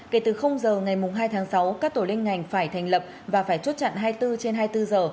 kể từ giờ ngày hai tháng sáu các tổ liên ngành phải thành lập và phải chốt chặn hai mươi bốn trên hai mươi bốn giờ